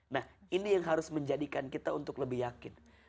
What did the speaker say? nah ini yang harus menjadikan kita untuk lebih yakin